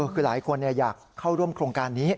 คือหลายคนอยากเข้าร่วมโครงการนี้